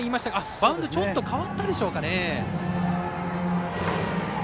バウンドがちょっと変わったでしょうか。